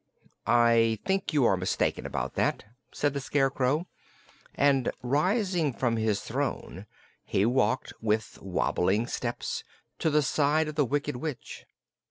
"I think you are mistaken about that," said the Scarecrow, and rising from his throne he walked with wobbling steps to the side of the Wicked Witch.